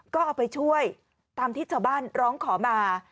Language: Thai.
ก็เอาไปช่วยตามที่ชาวบ้านร้องขอมา